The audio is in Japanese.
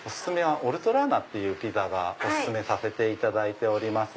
オルトラーナっていうピザお薦めさせていただいております。